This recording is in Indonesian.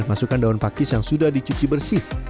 masukkan daun pakis yang sudah dicuci bersih